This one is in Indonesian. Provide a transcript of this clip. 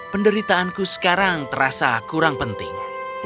penderitaanku sekarang terasa kurang penting